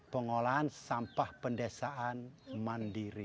pengolahan sampah pendesaan mandiri